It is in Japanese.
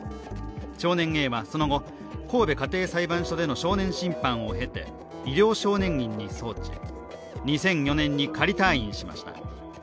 少年Ａはその後、神戸家庭裁判所での少年審判を経て医療少年院に送致、２００４年に仮退院しました。